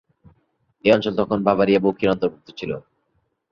এই অঞ্চল তখন বাভারিয়া ডুখি-র অন্তর্ভুক্ত ছিল।